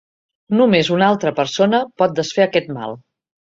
Només una altra persona pot desfer aquest mal.